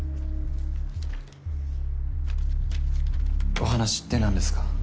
お話って何ですか？